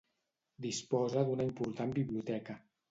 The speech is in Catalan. Disposa d'una important biblioteca.